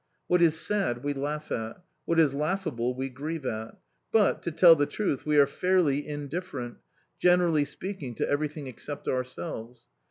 What is sad, we laugh at; what is laughable, we grieve at; but, to tell the truth, we are fairly indifferent, generally speaking, to everything except ourselves.